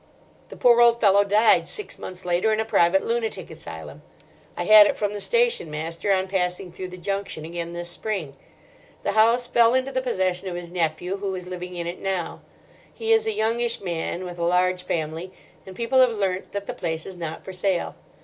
The poor old fellow died six months later in a private lunatic asylum; I had it from the station master on passing through the junction again this spring. The house fell into the possession of his nephew, who is living in it now. He is a youngish man with a large family, and people have learnt that the place is not for sale.